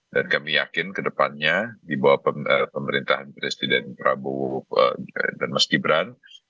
dan kami yakin ke depannya di bawah pemerintahan presiden prabowo dan mas gibran